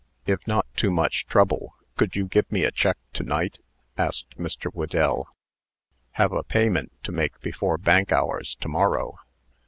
"If not too much trouble, could you give me a check to night?" asked Mr. Whedell. "Have a payment to make before bank hours to morrow."